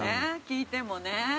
聞いてもね。